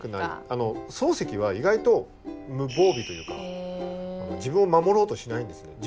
あの漱石は意外と無防備というか自分を守ろうとしないんですね。